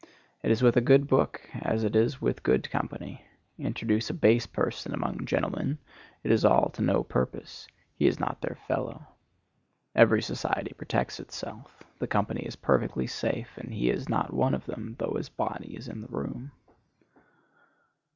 It is with a good book as it is with good company. Introduce a base person among gentlemen, it is all to no purpose; he is not their fellow. Every society protects itself. The company is perfectly safe, and he is not one of them, though his body is in the room.